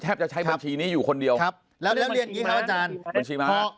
มันแทบจะใช้บัญชีนี้อยู่คนเดียวครับแล้วเรียนหนึ่งนี่ครับอาจารย์